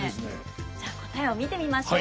じゃあ答えを見てみましょう。